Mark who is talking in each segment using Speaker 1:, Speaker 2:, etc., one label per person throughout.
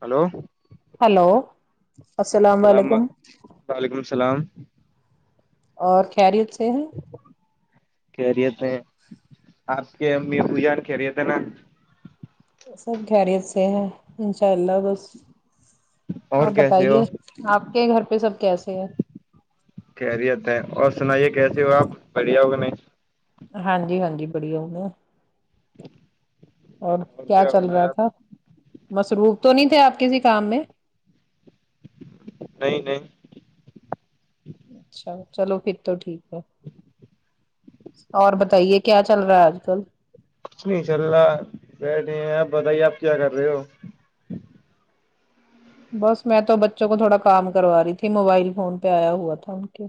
Speaker 1: Hello
Speaker 2: hello السلام علیکم
Speaker 1: وعلیکم السلام
Speaker 2: اور خیریت سے ہیں
Speaker 1: خیریت ہیے آپ کے امی ابو جان خیریت ہےنا
Speaker 2: سب خیریت سے ہے انشاء اللہ بس
Speaker 1: اور
Speaker 2: آپ
Speaker 1: کیسے ہو
Speaker 2: بتائیے آپ کے گھر پہ سب کیسے ہے
Speaker 1: خریت ہے اور سنائیے کیسی ہو آپ بڑھیا ہو کہ نہیں
Speaker 2: ہاں جی ہاں جی بڑھیا ہوں میں اور کیا چل رہا تھا مصروف تو نہیں تھے آپ کسی کام میں
Speaker 1: نہیں نہیں
Speaker 2: اچھا چلو پھر تو ٹھیک ہے اور بتائیے کیا چل رہا ہے آج کل
Speaker 1: ان شاء اللہ بیٹھے ہیں آپ بتائیے آپ کیا کر رہے ہو
Speaker 2: بس میں تو بچوں کو تھوڑا کام کروا رہی تھی موبائل فون پہ آیا ہوا تھا ان کے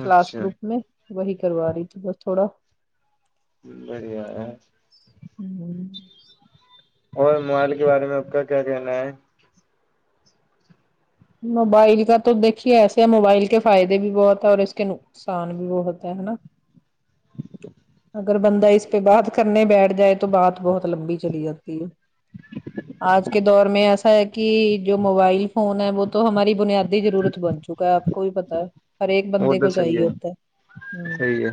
Speaker 2: کلاس
Speaker 1: اچھا
Speaker 2: گروپ میں وہی کروا رہی تھی بس تھوڑا
Speaker 1: بڑیا ہے
Speaker 2: ہ
Speaker 1: اور موبائل کے بارے میں آپ کا کیا کہنا ہے
Speaker 2: موبائل کا تو دیکھیے ایسے ہیں موبائل کے فائدے بھی بہت ہے اور اس کے نقصان بھی بہت ہے ہے نا
Speaker 1: [inaudible]
Speaker 2: اگر بندہ اس پہ بات کرنے بیٹھ جائے تو بات بہت لمبی چلی جاتی ہے آج کے دور میں ایسا ہے کہ جو موبائل فون ہے وہ تو ہماری بنیادی ضرورت بن چکا ہے آپ کو بھی پتا ہے ہر ایک
Speaker 1: وہ
Speaker 2: بندے
Speaker 1: تو
Speaker 2: کو
Speaker 1: صحیح
Speaker 2: چیے ہوتا
Speaker 1: ہے
Speaker 2: ہے ہ
Speaker 1: صحیح ہے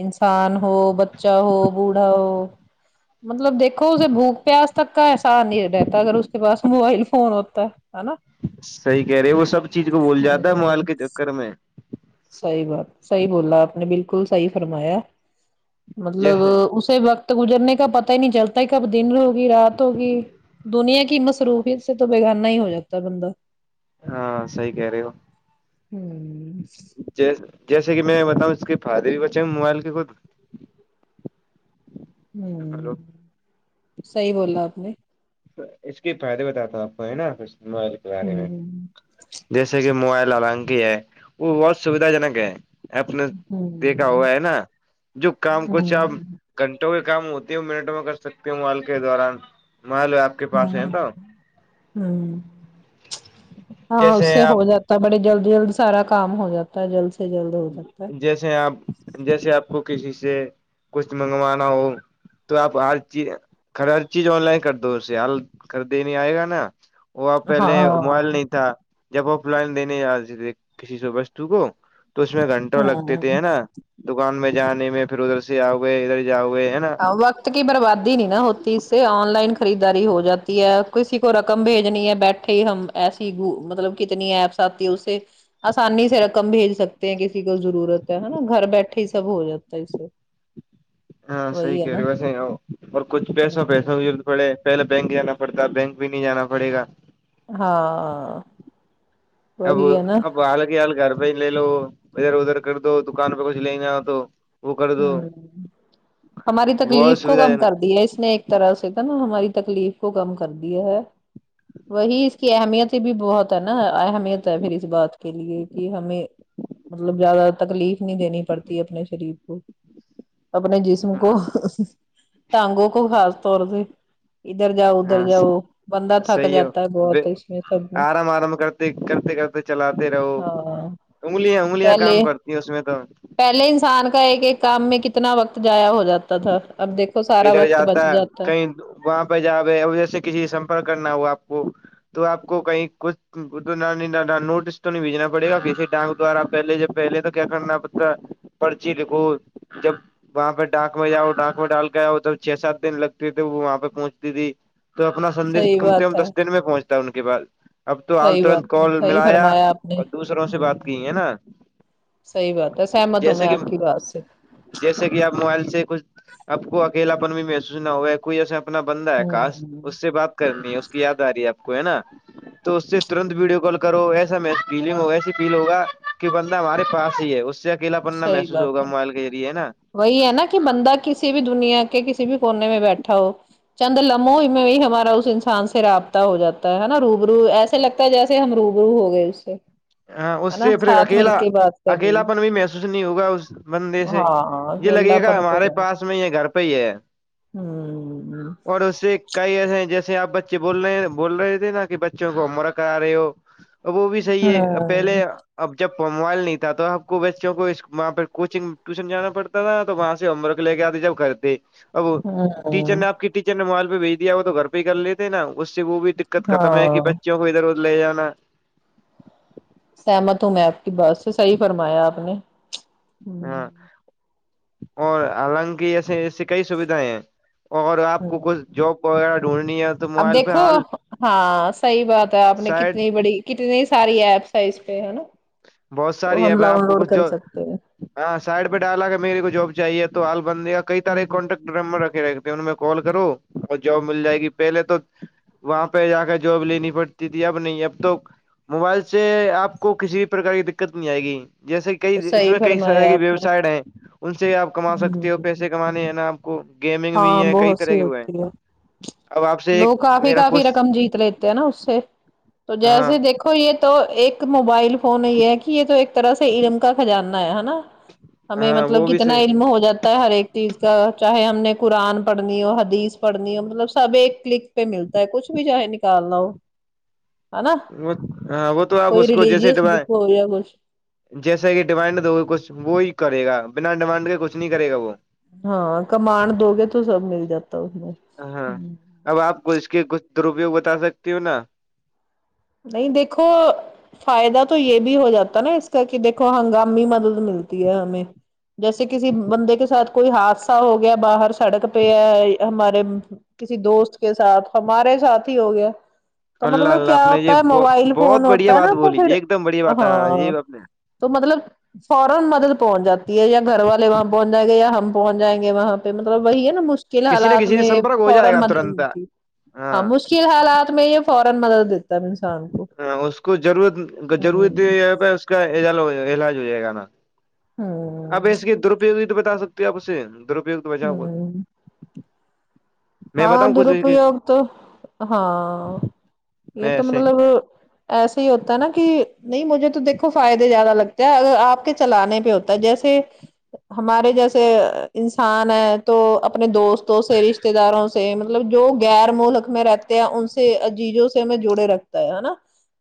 Speaker 2: انسان ہو بچہ ہو بوڑھا ہو مطلب دیکھو اسے بھوک پیاس تک کا احسان نہیں رہتا اگر اس کے پاس موبائل فون ہوتا ہے ہے نا [unintelligible]
Speaker 1: صحیح کہہ رہے وہ سب چیز کو بول جاتا ہے موبائیل کے چکر میں
Speaker 2: صحی بات صحیح بولا آپ نے بالکل صحی فرمایا
Speaker 1: جی
Speaker 2: مطلب اس وقت گزرنے کا پتا ہی نہیں چلتا ہی کب دن ہوگی رات ہوگی دنیا کی مصروفی سے تو بیگانہ ہی ہو جاتا ہے بندہ
Speaker 1: ہاں صحیح کہہ رہے ہو
Speaker 2: ہوں
Speaker 1: جیس جیسے کہ میں بتاؤں اس کے فادر بھی بچے موبائل کے خود ہلو
Speaker 2: ہوں صحیح بولا آپ نے
Speaker 1: اس کے فائدے بتاتا ہوں آپ کو ہے نا موبائل کے بارے میں
Speaker 2: ہوں
Speaker 1: جیسے کہ موبائل حالانک ہے وہ بہت سویدھا جنک ہے اپ نے دیکھا
Speaker 2: ہوں
Speaker 1: ہوا ہے نا جو کام کو چ گھنٹوں کے کام ہوتی ہے منٹوں میں کر سکتے موبائیل کے دوران موبائل آپ کے
Speaker 2: ہاں
Speaker 1: پاس ہے تو
Speaker 2: ہوں ہاں اس
Speaker 1: جیسے
Speaker 2: سے ہو
Speaker 1: آپ
Speaker 2: جاتا ہے بڑے جلدی جلد سارا کام ہو جاتا ہے جلد سے جلد ہو جاتا ہے
Speaker 1: ج آپ جیسے آپ کو کسی سے کچھ منگوانا ہو تو آپ ہر چیز ہر چیز آن لائن کر دو اسے حال کردنے آئے گا نا وہ آپ پہلے
Speaker 2: ہاں
Speaker 1: موبائل نہیں تھا جب آف لائن لینے ج رہے تھے تھے کسی وستو کو تو اس میں گھنٹوں لگتی تھے
Speaker 2: ہاں
Speaker 1: ہے نا دکان میں جانے میں پھر ادھر سے آؤئے ادھر جاؤ گے ہے نا
Speaker 2: وقت کی بربادی نہیں نا ہوتی اس سے آن لائن خریداری ہو جاتی ہے کسی کو رقم بھیجنی ہے بیٹھ ہم ایسی گ مطلب کتنی ایپس آتی ہے اس سے آسانی سے رقم بھیج سکتے ہیں کسی کو ضرورت ہے ہے نا گھر بیٹھے ہی سب ہو جاتا ہے اس سے
Speaker 1: ہاں صحیح
Speaker 2: وہی ہے
Speaker 1: کہہ
Speaker 2: نا
Speaker 1: رہی ویسے اور کچھ پیسا
Speaker 2: ہ
Speaker 1: پیسہ پ پہلے بینک جانا پڑتا بینک بھی نہیں جانا پڑے گا
Speaker 2: ہاں
Speaker 1: اب
Speaker 2: وہی ہے نا
Speaker 1: اب حال کی حال گھر پہ ہی لے لو ادھر ادھر کر دو دکان پہ کچھ لے نہ آ تو وہ کر
Speaker 2: ہ
Speaker 1: دو
Speaker 2: ہماری
Speaker 1: بہت
Speaker 2: تکلیف کو
Speaker 1: سویدھا
Speaker 2: کم کر
Speaker 1: جنک
Speaker 2: د ہے اس نے ایک طرح سے تھا نا ہماری تکلیف کو کم کر دیا ہے وہی اس کی اہمیت بھی بہت ہے نا اہمیت ہے پھر اس بات کے لیے کہ ہمیں مطلب زیادہ تکلیف نہیں دینی پڑتی اپنے شریر کو اپنے جسم کو ٹانگوں کو خاص طور سے ادھر جاؤ
Speaker 1: ہاں
Speaker 2: ادھر جاؤ بندہ تھک
Speaker 1: صحیح
Speaker 2: جاتا ہے بہت اس میں سب میں
Speaker 1: دیکھ کرتے کرتے چلاتے رہو
Speaker 2: ہاں
Speaker 1: انگلیاں انگلیاں
Speaker 2: پہلے
Speaker 1: کام کرتی ہیں اس میں تو
Speaker 2: پہلے انسان کا ایک ایک کام میں کتنا وقت جایا ہو جاتا تھا اب دیکھ تو سارا وقت بچ جاتا ہے
Speaker 1: وہاں پہ جہاں پہ جیسے کسی سے سمپرک کرنا ہوا آپ کو تو آپ کو کہیں کچھ نوٹس تو نہیں بھیجنا پڑے گا پسی ڈاک دوارا پہلے جب پہلے تو کیا کرنا پتا پرچی لکھو جب وہاں پہ ڈاک میں جاؤ ڈاک ذ میں ڈال کر کیا ادھر گچھ سات دن لگتے تھے وہ وہاں پہ پہنچتی تھی تو اپنا سندیش
Speaker 2: صحیح
Speaker 1: کم سے کم
Speaker 2: بات ہے
Speaker 1: دس دن میں پہنچ ان کے بعد اب تو حال
Speaker 2: صحیح
Speaker 1: ترنت
Speaker 2: بات ہے
Speaker 1: کال
Speaker 2: صحیح
Speaker 1: ملایا
Speaker 2: فرمایا آپ نے
Speaker 1: اور دوسروں سے
Speaker 2: ہ
Speaker 1: بات کی ہے نا
Speaker 2: صحیح بات ہے سہمت ہوں
Speaker 1: جیسے
Speaker 2: میں
Speaker 1: کہ
Speaker 2: آپ کی بات سے
Speaker 1: جیسے کہ آپ موبائل سے کچھ آپ کو اکیلا پن بھی محسوس نہ ہوا ہے کوئی ایسے اپنا بندہ ہے کاش
Speaker 2: ہوں
Speaker 1: اس سے بات کرنی ہے اس کی یاد آ رہی ہے آپ کو ہے نا تو اس سے ترنت ویڈیو کال کرو ایسا فیلنگ ہو ایسی فیل ہوگا کہ بندہ ہمارے پاس ہی ہے اس سے اکلا پن نا
Speaker 2: صحیح
Speaker 1: محسوس
Speaker 2: بات
Speaker 1: ہوگا
Speaker 2: ہے
Speaker 1: موبائل کے ذریعے ہے نا
Speaker 2: وہی ہے نا کہ بندہ کسی بھی دنیا کے کسی بھی کونے میں بیٹھا ہو چند لمحوں میں بھی ہمارا اس انسان سے رابطہ ہو جاتا ہے نا روبرو ایسے لگ تا جیسے ہم روبرو ہو گئے اس سے
Speaker 1: ہاں اس
Speaker 2: نا
Speaker 1: سے پھر
Speaker 2: ساتھ مل
Speaker 1: اکیلا
Speaker 2: کے بات کر رہی
Speaker 1: اکیلا پن بھی محسوس نہیں ہوگا اس بندے سے
Speaker 2: ہاں
Speaker 1: یہ
Speaker 2: اکیلا
Speaker 1: لگے گا
Speaker 2: پن تو
Speaker 1: ہمارے
Speaker 2: ہوں
Speaker 1: پاس میں یہ گھر پہ ہی ہے
Speaker 2: ہوں
Speaker 1: اور اس سے کئی ایسے ہیں جیسے آپ بچے بول رہے بول رہے تھے نا کہ بچوں کو مرک آ رہے ہو وہ بھی صحیح ہے پہلے اب جب م موبائل نہیں تھا تو آپ کو بچوں کو وہاں پہ کوچنگ ٹیوشن جانا پڑتا نا تو وہاں سے ہوم ورک لے کے آتی جب کرتی اب وہ ٹیچر
Speaker 2: ہوں
Speaker 1: نے آپ ٹیچر نے موبائل پہ بھیج دیا وہ تو گھر پ ہی کر لیتے ہے نا اس سے وہ بھی دقت ختم ہے کہ
Speaker 2: ہاں
Speaker 1: بچوں کو ادھر ادھر لے جانا
Speaker 2: سہمت ہوں میں آپ کی بات سے صحیح فرمایا آپ نے
Speaker 1: ہاں اور حالانکہ ایسے ایسی کئی سویدھایں ہیں اور آپ
Speaker 2: ہ
Speaker 1: کو کچھ جاب وغیرہ ڈھونڈنی ہے تو
Speaker 2: اب
Speaker 1: موبائل پہ
Speaker 2: دیکھو
Speaker 1: حال
Speaker 2: ہاں صحیح بات ہے آپ نے
Speaker 1: سائڈ
Speaker 2: کتنی بڑی کتنی ساری ایپس ہیں اس پہ ہے نا
Speaker 1: بہت
Speaker 2: تو
Speaker 1: ساری ہے
Speaker 2: ہم
Speaker 1: میں
Speaker 2: ڈاؤن
Speaker 1: آپ کو
Speaker 2: لوڈ
Speaker 1: کچھ
Speaker 2: کر
Speaker 1: جو
Speaker 2: سکتے ہیں
Speaker 1: ہاں سائڈ پہ ڈالا کہ میرے کو جاب چاہیے تو ہال بندی کا کئی تارح کانٹ نمبر رکھے رہ تھے ان میں کال کرو اور جاب مل جائے گی پہلے تو وہاں پہ جا کر جاب لینی پڑتی تھی اب نہیں اب تو موبائل سے آپ کو کسی پرکار کی دقت نہیں آئے گی جیسے کہ کئی اس
Speaker 2: صحیح
Speaker 1: میں کئی
Speaker 2: فرمایا
Speaker 1: ساری
Speaker 2: آپ نے
Speaker 1: ویبسائڈ ہیں ان سے آپ کما
Speaker 2: ہ
Speaker 1: سکتے ہو پیسے کمانے ہیں نا آپ گیم
Speaker 2: ہاں بہت سی ہوتی ہے
Speaker 1: اب آپ سے ایک
Speaker 2: لوگ کافی
Speaker 1: میرا
Speaker 2: کافی
Speaker 1: کچھ
Speaker 2: رقم جیت لیےتے نا اس سے تو
Speaker 1: ہاں
Speaker 2: جیسے دیکھو یہ تو ایک موبائل فون یہ ہے کہ یہ تو ایک طرح سے علم کا خزانہ ہے ہے نا ہمیں
Speaker 1: ہاں
Speaker 2: مطلب
Speaker 1: وہ بھی
Speaker 2: کتنا
Speaker 1: صحیح
Speaker 2: علم ہو جاتا ہے ہر ایک چیز کا چاہے ہم نے قرآن پڑھنی ہو حدیث پڑھنی ہو مطلب سب ایک کلک پہ ملتا ہے کچھ بھی چاہے نکالنا ہو ہے نا
Speaker 1: وہ ہاں وہ تو آپ
Speaker 2: کوئی
Speaker 1: اس کو جیسے
Speaker 2: ریلیجیس
Speaker 1: ڈمانڑ
Speaker 2: بک ہو یا کچھ
Speaker 1: جیسا کہ ڈیمانڈ دو کچھ وہی کرے گا بنا ڈیمانڈ کے کچھ نہیں کرے گا وہ
Speaker 2: ہاں کمانڑ دو گے تو سب مل جاتا اس میں ہ
Speaker 1: ہاں اب آپ کو اس کے کچھ درپیوگ بتا سکتی ہو نا
Speaker 2: نہیں دیکھو فائدہ تو یہ بھی ہو جاتا ہے نا اس کا کہ دیکھو ہنگامی مدد ملتی ہے ہمیں جیسے کسی بندے کے ساتھ کوئی حادثہ ہو گیا باہر سڑک پہ ہے ہمارے کسی دوست کے ساتھ ہمارے ساتھ ہی ہو گیا تو
Speaker 1: اللہ
Speaker 2: مطلب ہے
Speaker 1: اللہ
Speaker 2: کہ آپ
Speaker 1: نے یہ
Speaker 2: ہوتا ہے
Speaker 1: بہت
Speaker 2: موبائل
Speaker 1: بہت
Speaker 2: فون
Speaker 1: بڑھیا
Speaker 2: ہوتا ہے
Speaker 1: بات
Speaker 2: نا تو
Speaker 1: بولی
Speaker 2: پھر
Speaker 1: ایک دم بڑھیا بات
Speaker 2: ہاں
Speaker 1: یہ اپنے
Speaker 2: تو مطلب فورا مدد پہنچ جاتی ہے یا گھر والے وہاں پہنچ جائیں گے یا ہم پہنچ جائیں گے وہاں پہ مطلب وہی ہے نا کن
Speaker 1: کسی نہ
Speaker 2: حالات
Speaker 1: کسی سے
Speaker 2: میں
Speaker 1: سمپرک ہو
Speaker 2: فورا
Speaker 1: جائے گا
Speaker 2: مدد
Speaker 1: ترنت
Speaker 2: ملتی ہے
Speaker 1: ہاں
Speaker 2: مشکل حالات میں یہ فورا مدد ہے انسان کو
Speaker 1: ہاں اس کو ضرورت
Speaker 2: ہوں
Speaker 1: ضرورت پہ اس کا علاج ہو جائے گا نا آپ
Speaker 2: ہوں
Speaker 1: اس کے درپیوگ ہی تو بتا سکتے ہو آپ اسے درپیو تو بچاؤ بہت
Speaker 2: ہوں ہاں درپیوگ تو ہاں یہ
Speaker 1: میں
Speaker 2: تو
Speaker 1: ایسے
Speaker 2: مطلب ایسے ہی ہوتا ہے نا کہ نہیں مجھے تو دیکھو فائدے زیادہ لگتے ہے اگر آپ کے چلانے پہ ہو جیسے ہمارے جیسے انسان ہے تو اپنے دوستوں سے رشتے داروں سے مطلب جو غیر ملک میں رہتے ہیں ان سے عزیزوں سے ہمیں جڑے رکھتا ہے ہے نا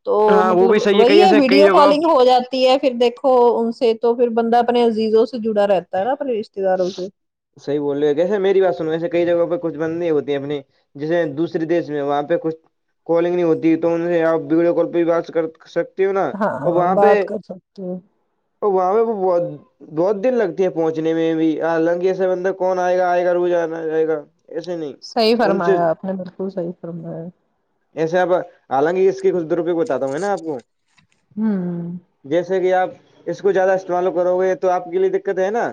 Speaker 2: تو
Speaker 1: ہاں وہ
Speaker 2: مطلب
Speaker 1: بھی صحیح
Speaker 2: وہی
Speaker 1: کئی
Speaker 2: ہے
Speaker 1: ایسے کئی
Speaker 2: ویڈیو
Speaker 1: جگہوں
Speaker 2: کالنگ ہو جاتی تی ہے پھر دیکھو ان سے تو پھر بندہ اپنے عزیزوں سے جڑا رہتا ہے نا اپنے رشتے داروں سے
Speaker 1: صحیح بول رہے ہو جیسے میری بات سنے جیسے کئی جگہ پہ کچھ بندے ہوتے ہے اپنے جیسے دوسرے دیش میں وہاں پہ کچھ کالنگ نہیں ہوتی تو ان سے آپ ویڈیو کال پہ بھی بات کر سک تے ہو نا اور
Speaker 2: ہاں
Speaker 1: وہاں پہ
Speaker 2: بات کر سکتے ہو
Speaker 1: اور وہاں پہ وہ بہت بہت دن لگتے ہیں پہنچنے میں لنگی سے اندر کون آئے گا آئے گا رو جانا جائے گا ایسے نہیں
Speaker 2: صحیح
Speaker 1: ان سے
Speaker 2: فرمایا آپ نے بالکل صحیح فرمایا
Speaker 1: ایسے آپ حالانکہ اس کے کچھ د روپیئے بتاتا ہوں ہے نا آپ کو
Speaker 2: ہوں
Speaker 1: جیسے کہ آپ اس کو زیادہ استعمال کرو گے تو آپ کے لیے دقت ہے نا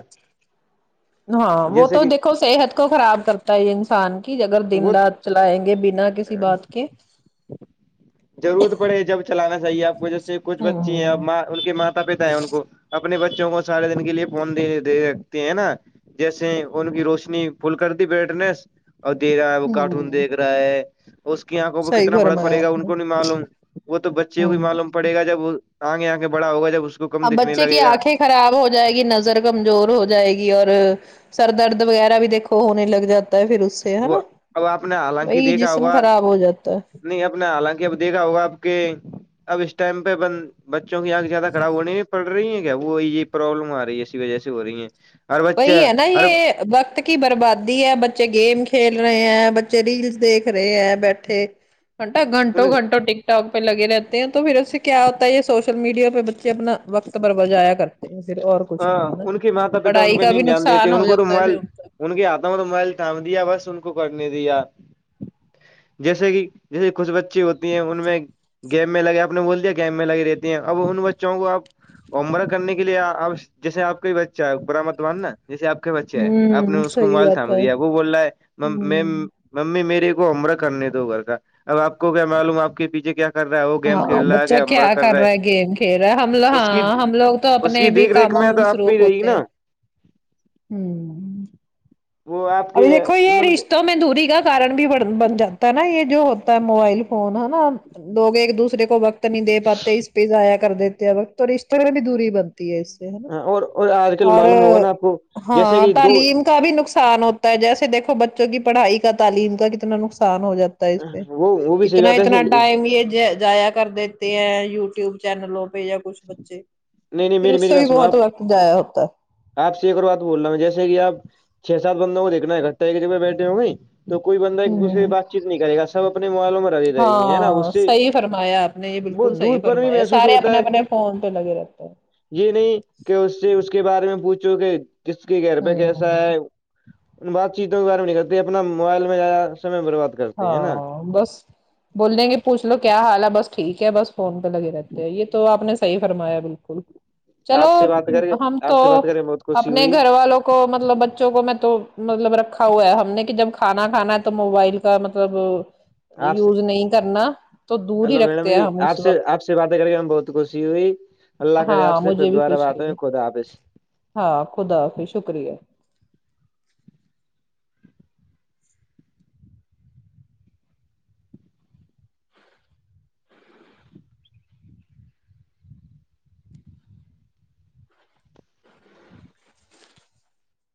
Speaker 2: ہاں وہ
Speaker 1: جیسے
Speaker 2: تو
Speaker 1: کہ
Speaker 2: دیکھو صحت کو خراب کرتا ہے انسان کی اگر دن رات
Speaker 1: وہ
Speaker 2: چلائیں گے بنا کسی بات کے
Speaker 1: ضرورت پڑے جب چلانا چاہیے آپ کو جیسے کچھ
Speaker 2: ہوں
Speaker 1: بچی ہیں اب
Speaker 2: ہوں
Speaker 1: ماں ان کے ماتا پتا ہیں ان کو اپنے بچوں کو سارے دن کے لیے فون د دے رکھتے ہیں نا جیسے ان کی روشنی پھل کر دی بیٹنےس اور دیک رہا ہے وہ کارٹون
Speaker 2: ہوں
Speaker 1: دیکھ رہا ہے اس کی آنکھوں کو
Speaker 2: صحیح
Speaker 1: کتنا فڑک
Speaker 2: فرمایا
Speaker 1: پڑے گا
Speaker 2: آپ
Speaker 1: ان
Speaker 2: نے ہوں
Speaker 1: کو نہیں معلوم وہ تو بچیوں کو
Speaker 2: ہوں ہوں
Speaker 1: معلوم
Speaker 2: ہوں۔
Speaker 1: پڑے گا جب آگے آگے بڑا ہوگا جب اس کو کم
Speaker 2: اب
Speaker 1: دکھنے
Speaker 2: بچے کی
Speaker 1: لگے گا
Speaker 2: آنکھیں خراب ہو جائے گی نظر کمزور ہو جائے گی اور سر درد وغیرہ بھی دیکھو ہونے لگ جات پھر اس سے ہے
Speaker 1: وہ
Speaker 2: نا
Speaker 1: اب آپ نے حالانکہ
Speaker 2: وہی
Speaker 1: دیکھا
Speaker 2: جسم
Speaker 1: ہوگا
Speaker 2: خراب ہو جاتا ہے
Speaker 1: نہیں اپ نے حالانکہ اب دیکھا ہوگا آپ کے اب اس ٹائم پہ بند بچوں کی آنکھ زیادہ خراب ہونے پڑ رہی ہے کیا وہ یہ یہ پروابلم آ رہی ہے اسی وجہ سے ہو رہی ہیں ہر
Speaker 2: وہی
Speaker 1: بچہ
Speaker 2: ہے نا
Speaker 1: ہر
Speaker 2: یہ وقت کی بربادی ہے بچے گیم کھیل رہے ہیں بچے ریلس دیکھ رہے ہیں بیٹھے گنھٹو گھٹو
Speaker 1: ان
Speaker 2: گھنٹوں ٹک ٹک پہ لگے رہتے ہیں تو پھر اس سے کیا ہوتا ہے یہ سوشل میڈیا پہ بچے اپنا وقت بر بجایا کرتے پھر اور کچھ نہیں ہے نا
Speaker 1: ان کے ماتا پتا ان
Speaker 2: پڑھائی
Speaker 1: کو
Speaker 2: کا بھی
Speaker 1: نہیں دھیان دیتے
Speaker 2: نقصان
Speaker 1: ان
Speaker 2: ہو
Speaker 1: کو تو
Speaker 2: جاتا ہے پھر
Speaker 1: موبائل
Speaker 2: کا
Speaker 1: ان کے ہاتوں میں تو موبائل تھٹانم دیا بس ان کو کرنے دیا جیسے کہ جیسے کچھ بچے ہوتی ہیں ان میں گیم میں لگے آپ نے بول دیا گیم میں لگی رہتی ہیں اب ان بچوں کو آپ امرہ کرنے کے لیے آپ جیسے آپ کا بچہ ہے ا بر مت مانا جیسے آپ کے بچے ہے آپ نے
Speaker 2: ہوں
Speaker 1: اس کو
Speaker 2: صحیح
Speaker 1: موبائل
Speaker 2: بات
Speaker 1: تھام
Speaker 2: ہے
Speaker 1: دیا وہ بول رہا ہے میم
Speaker 2: ہوں
Speaker 1: ممی میرے کو امرہ کرنے دو گھر کا اب آپ کو کیا معلوم آپ کے پیچھے کیا کر رہا ہے وہ گیم
Speaker 2: ہاں
Speaker 1: کھیل رہا ہے
Speaker 2: بچہ
Speaker 1: کہ امرا
Speaker 2: کیا
Speaker 1: کر رہے
Speaker 2: رہا ہے گیم کھیل رہا ہے ہم لو
Speaker 1: اس کی
Speaker 2: ہاں ہم لوگ تو
Speaker 1: اس
Speaker 2: اپنے
Speaker 1: کی
Speaker 2: بھی
Speaker 1: دیکھ ریکھ
Speaker 2: کاموں
Speaker 1: میں تو تپ ہی
Speaker 2: مصروف
Speaker 1: رہے گی
Speaker 2: ہوتے ہیں
Speaker 1: نا
Speaker 2: ہوں
Speaker 1: وہ آپ
Speaker 2: ابھی
Speaker 1: کے
Speaker 2: دیکو یہ رشت میں دوری گر کارکن بھی بن جاتا ہے نا یہ جو ہوتا ہے موبائل فون ہے نا لوگ ایک دوسرے کو وقت وقت نہیں د پاتتے اس پیز آایا کر دیتے تو رشتےرہ بھی دوری بنتی اس سے نا
Speaker 1: اور اور آج کل
Speaker 2: اور
Speaker 1: معلوم ہوگا نا آپ کو جیسے
Speaker 2: ہاں
Speaker 1: کہ دو
Speaker 2: تعلیم کا بھی نقصان ہوتا ہے جیسے دیکھو بچوں کی پڑھائی کا تعلیم کا کتنا نقصان ہو جاتا اس پہ
Speaker 1: وہ وہ بھی صحیح
Speaker 2: اتنا
Speaker 1: بات
Speaker 2: اتنا
Speaker 1: ہے
Speaker 2: ٹائم یہ زایع کر دیتے ہیں یوٹیوب چینلوں پہ کچھ بچے
Speaker 1: نہیں نہیں
Speaker 2: پھر
Speaker 1: میری
Speaker 2: اس
Speaker 1: میری
Speaker 2: سے بھی
Speaker 1: بات سنو
Speaker 2: بہت
Speaker 1: آپ
Speaker 2: وقت جایا ہوتا ہے
Speaker 1: آپ سے ایک اور بات بول رہا ہ جیسے کہ آپھ سات بندوں کو دیکھنا ہے اکٹھا ایک جگہ بیٹھے ہوں گے تو کوئی بندہ ایک دوسرے سے
Speaker 2: ہ
Speaker 1: بات چیت نہیں کرےا سب اپنے موبیلوں میں رہے رہیں گے ہے نا
Speaker 2: ہاں
Speaker 1: اس سے
Speaker 2: صحیح فرمایا آپ نے یہ
Speaker 1: وہ
Speaker 2: بالکل صحیح
Speaker 1: دور پر بھی
Speaker 2: فرمایا
Speaker 1: محسوس
Speaker 2: سارے اپنے
Speaker 1: ہوتا ہے
Speaker 2: اپنے فون پے لگے رہتے ہیں
Speaker 1: یہ نہیں کہ اس سے اس کے بارے میں پوچھو کہ کس کے گھر پہ کیسا
Speaker 2: ہ
Speaker 1: ہے بات چیت تو کے بارے میں نہیں کرتے اپنا موبائل میں سامیے برباد کرتے ہیں نا
Speaker 2: ہاں بس بول دیں گے پوچھ لو کیا حال ہے بس ٹھیک ہے بس فون پہ لگے رہتے ہیں یہ تو آپ نے صحیح فرمایا بالکل چلو
Speaker 1: آپ سے بات کر کے
Speaker 2: ہم تو
Speaker 1: آپ سے بات کر کے بہت خوشی
Speaker 2: اپنے
Speaker 1: ہوئی
Speaker 2: گھر والوں کو کو مطلب بچوں کو میں تو مطلب رکھا ہوا ہے ہم نے کہ جب کھانا کھانا ہے تو موبائل کا مطلب
Speaker 1: آپ سے
Speaker 2: یوز نہیں کرنا تو دور
Speaker 1: ہلو
Speaker 2: ہی
Speaker 1: میڈم
Speaker 2: رکھتے ہیں
Speaker 1: جی
Speaker 2: ہم اس
Speaker 1: آپ سے
Speaker 2: وقت
Speaker 1: آپ سے باتیں کر کے ہم بہت خوشی ہوئی اللہ کرے آپ
Speaker 2: ہاں
Speaker 1: سے پھر
Speaker 2: مجھے بھی
Speaker 1: دوارا
Speaker 2: خوشی
Speaker 1: باتیں
Speaker 2: ہوئی
Speaker 1: ہوں خدا حافظ ح
Speaker 2: ہاں خدا حافظ شکریہ